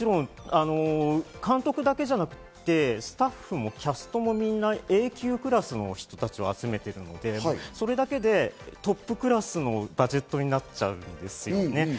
監督だけでなく、スタッフやキャストもＡ級クラスの人を集めているのでそれだけでトップクラスのバジェットになっちゃうんですよね。